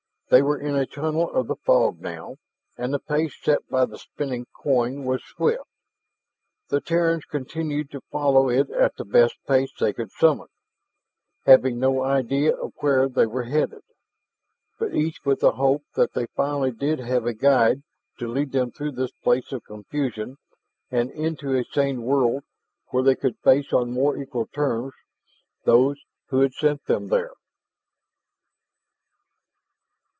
They were in a tunnel of the fog now, and the pace set by the spinning coin was swift. The Terrans continued to follow it at the best pace they could summon, having no idea of where they were headed, but each with the hope that they finally did have a guide to lead them through this place of confusion and into a sane world where they could face on more equal terms those who had sent them there.